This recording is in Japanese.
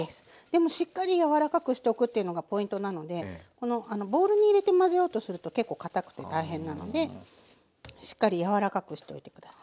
でもしっかり柔らかくしておくっていうのがポイントなのでこのボウルに入れて混ぜようとすると結構かたくて大変なのでしっかり柔らかくしておいて下さい。